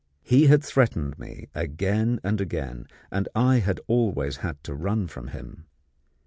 He had threatened me again and again, and I had always had to run from him.